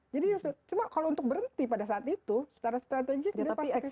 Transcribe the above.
jadi cuma kalau untuk berhenti pada saat itu secara strategis dia pasti bisa